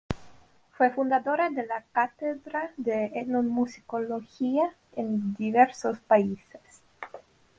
Fue fundadora de la cátedra de etnomusicología en diversos países.